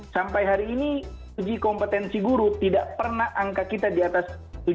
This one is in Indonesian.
sampai hari ini suji kompetensi guru tidak pernah angka kita diatas tujuh puluh